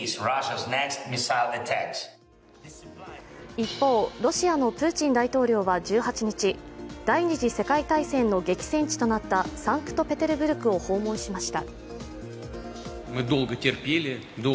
一方、ロシアのプーチン大統領は１８日、第二次世界大戦の激戦ととなったサンクトペテルブルクを訪問しました。